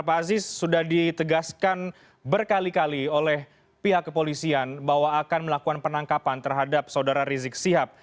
pak aziz sudah ditegaskan berkali kali oleh pihak kepolisian bahwa akan melakukan penangkapan terhadap saudara rizik sihab